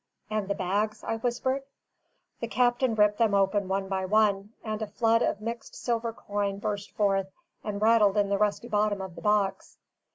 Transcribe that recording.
"And the bags?" I whispered. The captain ripped them open one by one, and a flood of mixed silver coin burst forth and rattled in the rusty bottom of the box.